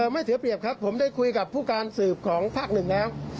ไม่เสียเปรียบครับผมได้คุยกับผู้การสืบของภาคหนึ่งแล้ว